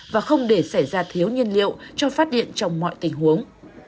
và không để xảy ra thiếu nhiên liệu cho phát điện trong mọi tình huống